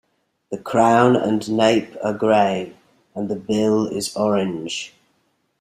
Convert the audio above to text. The crown and nape are grey, and the bill is orange.